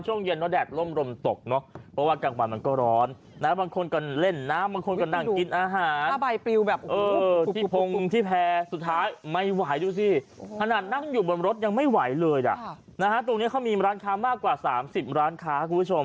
ช่วงเย็นแล้วแดดลมลมตกเนอะเพราะว่ากลางวันมันก็ร้อนนะครับ